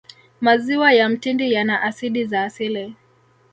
maziwa ya mtindi yana asidi za asili